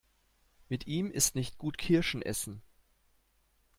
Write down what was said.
Mit ihm ist nicht gut Kirschen essen.